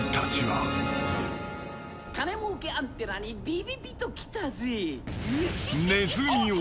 「金もうけアンテナにびびびときたぜ」